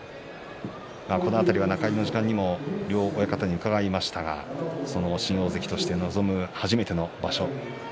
この辺りは中入りの時間にも両親方に伺いましたが新大関として臨む初めての場所。